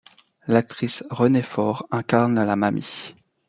L'actrice Renée Faure incarne la Mamie.